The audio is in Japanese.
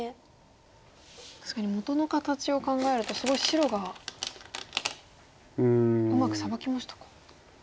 確かに元の形を考えるとすごい白がうまくサバきましたか。